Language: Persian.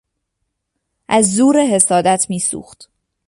از زور حسادت میسوخت.